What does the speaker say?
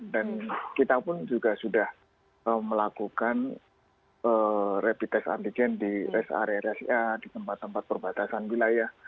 dan kita pun juga sudah melakukan repitest antigen di area area siar di tempat tempat perbatasan wilayah